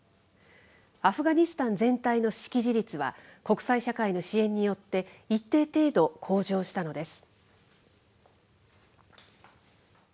アフガニスタン全体の識字率は、国際社会の支援によって一定程度向上したのです。